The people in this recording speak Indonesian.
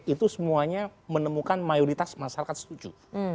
itu semuanya menemukan mayoritas masyarakat setuju